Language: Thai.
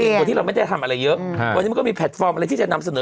เปลี่ยนดูที่เราไม่ได้ทำอะไรเยอะอืมมันก็มีอะไรที่จะนำเสนอ